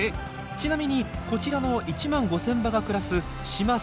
ちなみにこちらの１万５，０００羽が暮らす島最大の繁殖地。